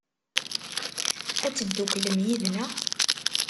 Ad tedduklem yid-neɣ?